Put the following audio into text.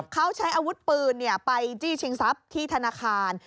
เขาใช้อาวุธปืนไปจี้ชิงทรัพย์ที่ธนาคาร